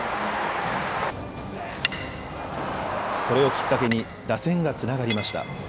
これをきっかけに打線がつながりました。